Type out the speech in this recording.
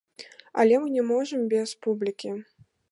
Але мы не можам без публікі!